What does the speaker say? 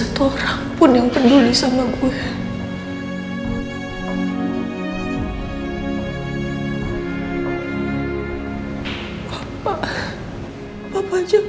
abah kuliah mu doa ngeliat masa itu